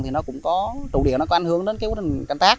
trụ điện có ảnh hưởng đến quá trình canh tác